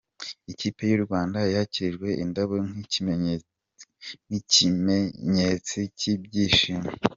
Ikipe y’u Rwanda yakirijwe indabo nk’ikimenyetsi cy’ibyishimo